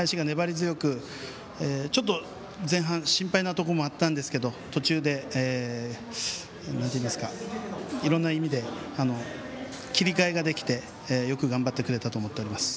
林が粘り強くちょっと前半心配なところもあったんですけど途中でいろんな意味で切り替えができてよく頑張ってくれたと思っております。